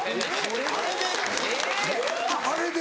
あれで。